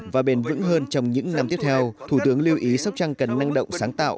và bền vững hơn trong những năm tiếp theo thủ tướng lưu ý sóc trăng cần năng động sáng tạo